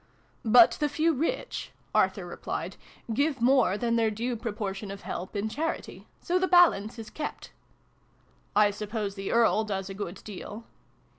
" But the few rich," Arthur replied, " give more than their due proportion of help in charity. So the balance is kept." " I suppose the Earl does a good deal